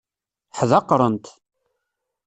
Ḥdaqrent.